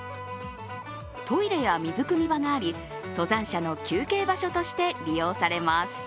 トイレや水汲み場があり登山者の休憩場所として利用されます。